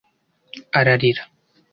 ararira